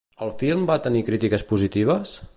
El film va tenir crítiques positives?